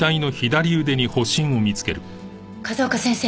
風丘先生。